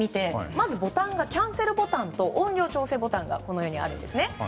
まずボタンがキャンセルボタンと音量調整ボタンがあるんですね。